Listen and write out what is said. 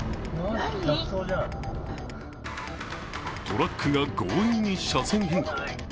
トラックが強引に車線変更。